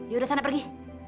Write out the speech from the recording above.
yaudah sana pergi